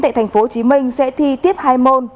tại thành phố hồ chí minh sẽ thi tiếp hai môn